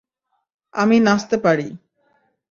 আমি নাচতে পারি।